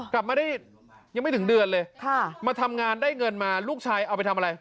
กลับมาได้ยังไม่ถึงเดือนเลยมาทำงานได้เงินมาลูกชายเอาไปทำอะไร